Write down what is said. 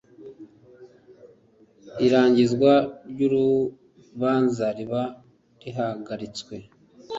irangizwa ry urubanza riba rihagaritswe